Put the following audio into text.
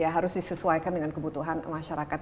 harus disesuaikan dengan kebutuhan masyarakat